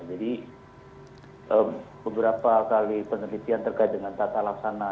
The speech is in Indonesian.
jadi beberapa kali penelitian terkait dengan tata laksana